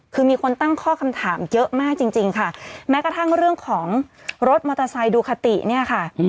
คือมีคนตั้งข้อคำถามเยอะมากจริงจริงค่ะแม้กระทั่งเรื่องของรถมอเตอร์ไซค์ดูคาติเนี่ยค่ะ